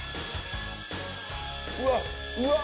うわ！